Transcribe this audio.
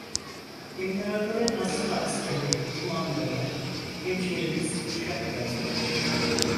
İmparator'un hassa askeri kumandanı hemşerimiz Kürşad geldiler.